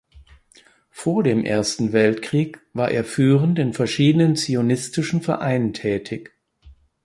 Vor dem Ersten Weltkrieg war er führend in verschiedenen zionistischen Vereinen tätig.